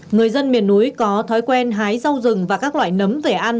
người dân miền núi có thói quen hái rau rừng và các loại nấm về ăn